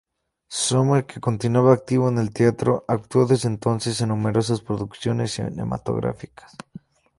Sommer, que continuaba activo en el teatro, actuó desde entonces en numerosas producciones cinematográficas.